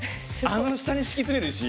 あの下に敷き詰める石？